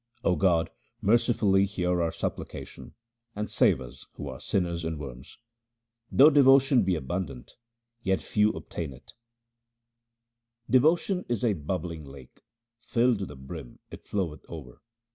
O God, mercifully hear our supplication, and save us who are sinners and worms ! Though devotion be abundant, yet few obtain it :— Devotion is a bubbling lake ; filled to the brim it floweth over.